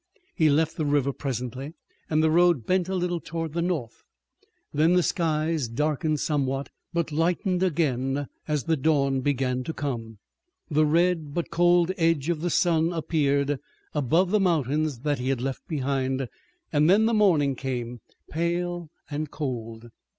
He left the river presently and the road bent a little toward the north. Then the skies darkened somewhat but lightened again as the dawn began to come. The red but cold edge of the sun appeared above the mountains that he had left behind, and then the morning came, pale and cold.